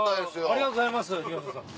ありがとうございます東野さん。